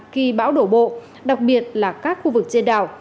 khi bão đổ bộ đặc biệt là các khu vực trên đảo